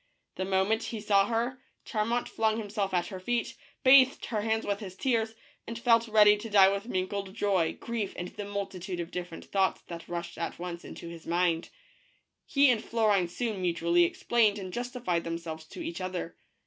The moment he saw her, Charmant flung himself at her feet, bathed her hands with his tears, and felt ready to die with mingled joy, grief, and the multitude of different thoughts that rushed at once into his mind. He and Florine soon mutually explained and justified themselves to each other.